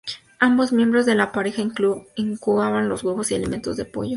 Ambos miembros de la pareja incuban los huevos y alimentan a los pollos.